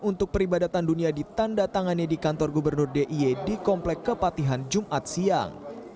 untuk peribadatan dunia ditanda tangannya di kantor gubernur d i e di komplek kepatihan jumat siang